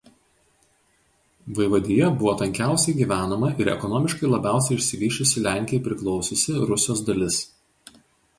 Vaivadija buvo tankiausiai gyvenama ir ekonomiškai labiausiai išsivysčiusi Lenkijai priklausiusi Rusios dalis.